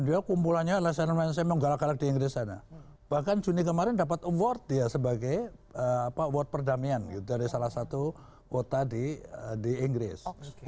dia kumpulannya adalah semang galak galak di inggris sana bahkan juni kemarin dapat award dia sebagai award perdamaian dari salah satu kota di inggris